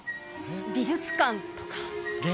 美術館とか？